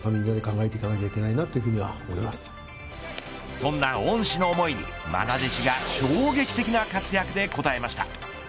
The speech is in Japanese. そんな恩師の思いに愛弟子が衝撃的な活躍で応えました。